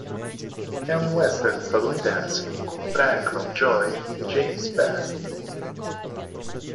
È un western statunitense con Frank Lovejoy e James Best.